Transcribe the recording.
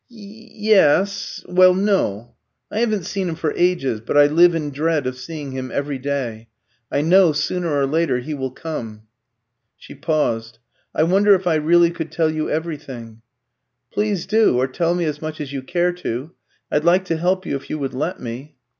"Ye yes. Well, no. I haven't seen him for ages, but I live in dread of seeing him every day. I know, sooner or later, he will come." She paused. "I wonder if I really could tell you everything." "Please do, or tell me as much as you care to. I'd like to help you if you would let me."